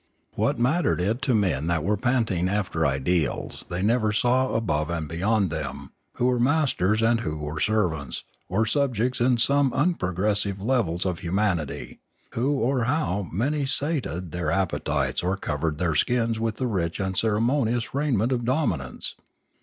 What mattered it to men that were panting after ideals they ever saw above and beyond them who were masters and who were servants or subjects in those unprogressive levels of humanity, who or how many sated their appetites or covered their skins with the rich and ceremonious raiment of dominance